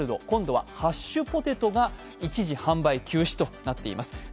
今度はハッシュポテトが一時販売休止となっています。